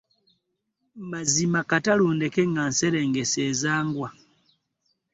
Mazima kata lundeke nga nserengese ezzangwa.